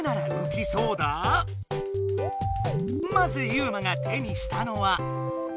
まずユウマが手にしたのは。